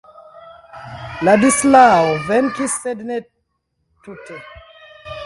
Ladislao venkis, sed ne tute.